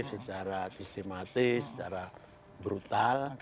secara sistematis secara brutal